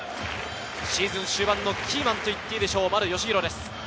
シーズン終盤のキーマンといっていいでしょう。